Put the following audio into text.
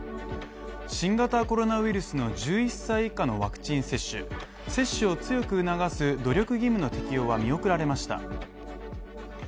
新型コロナウイルスの１１歳以下のワクチン接種接種を強く促す努力義務の適用は見送られました。